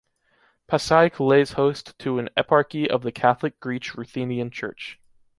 Passaic lays host to an eparchy of the Catholic-Greek Ruthenian church.